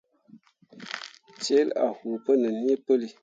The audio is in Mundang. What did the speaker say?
Celle a huu pu nin hi puli.